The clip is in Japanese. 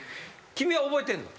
君は覚えてんの？